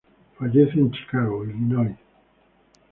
Fallece en Chicago, Illinois.